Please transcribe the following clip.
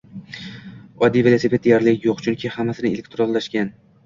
Oddiy velosiped deyarli yoʻq, chunki hammasi elektronlashgan.